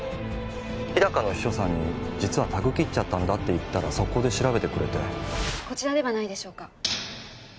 ☎日高の秘書さんに「実はタグ切っちゃったんだ」って言ったら即行で調べてくれてこちらではないでしょうか